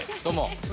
どうも。